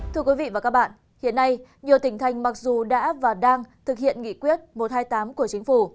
thưa quý vị và các bạn hiện nay nhiều tỉnh thành mặc dù đã và đang thực hiện nghị quyết một trăm hai mươi tám của chính phủ